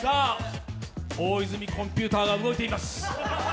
大泉コンピューターが動いています。